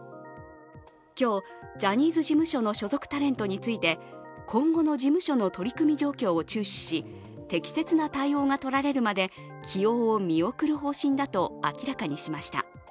今日、ジャニーズ事務所の所属タレントについて今後の事務所の取り組み状況を注視し適切な対応がとられるまで起用を見送る方針だと明らかにしました。